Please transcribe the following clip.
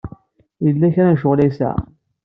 Yella kra n ccɣel ay yesɛa.